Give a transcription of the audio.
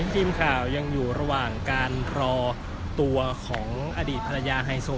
ทีมข่าวยังอยู่ระหว่างการรอตัวของอดีตภรรยาไฮโซ